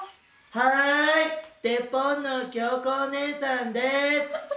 はいデ・ポンのきよこおねえさんです。